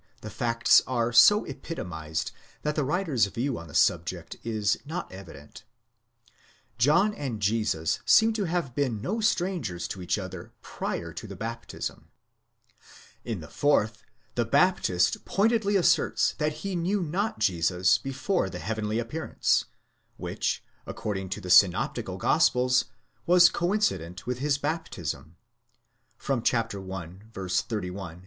217 the facts are so epitomized that the writer's view on the subject is not evident), John and Jesus seem to have been no strangers to each other prior to the baptism ; in the fourth, the Baptist pointedly asserts that he knew not Jesus before the heavenly appearance, which, according to the Synoptical » Gospels, was coincident with his baptism (i. 31, 33).